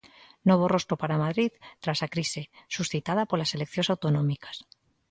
Novo rostro para Madrid tras a crise suscitada polas eleccións autonómicas.